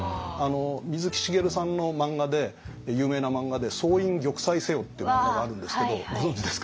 水木しげるさんの漫画で有名な漫画で「総員玉砕せよ」って漫画があるんですけどご存じですか？